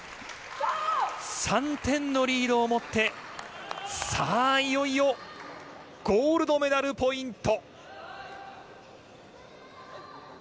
３点のリードを持って、いよいよゴールドメダルポイント。